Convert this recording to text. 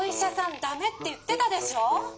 ダメって言ってたでしょ」。